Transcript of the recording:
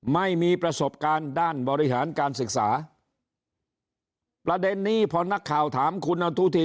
ไม่มีประสบการณ์ด้านบริหารการศึกษาประเด็นนี้พอนักข่าวถามคุณอนุทิน